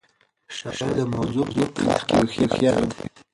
شاعر د موضوع په انتخاب کې هوښیار دی.